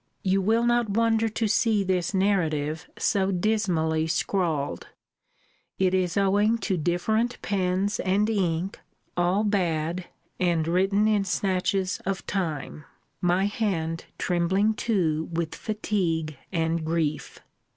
You will not wonder to see this narrative so dismally scrawled. It is owing to different pens and ink, all bad, and written in snatches of time; my hand trembling too with fatigue and grief.